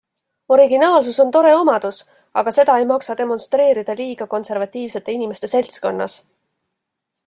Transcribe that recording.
Originaalsus on tore omadus, aga seda ei maksa demonstreerida liiga konservatiivsete inimeste seltskonnas.